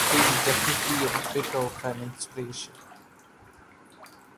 He's definitely a bit of an inspiration!